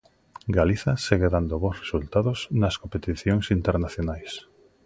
Galiza segue dando bos resultados nas competicións internacionais.